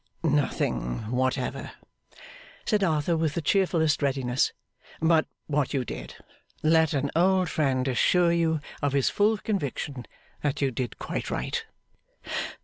'Nothing whatever,' said Arthur, with the cheerfulest readiness, 'but what you did. Let an old friend assure you of his full conviction that you did quite right.